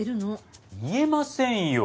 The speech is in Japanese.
言えませんよ。